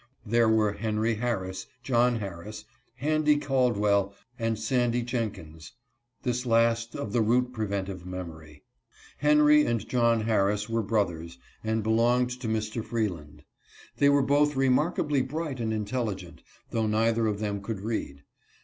There were Henry Harris, John Harris, Handy Caldwell, and Sandy Jen kins (this last, of the root preventive memory). Henry and John Harris were brothers, and belonged to Mr. Freeland. They were both remarkably bright and intelligent, though neither of them could read.